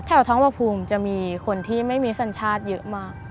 ท้องพระภูมิจะมีคนที่ไม่มีสัญชาติเยอะมาก